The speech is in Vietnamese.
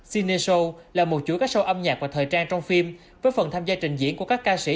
cine show là một chuỗi các show âm nhạc và thời trang trong phim với phần tham gia trình diễn của các ca sĩ